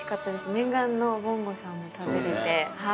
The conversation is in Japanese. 念願の「ぼんご」さんも食べれて。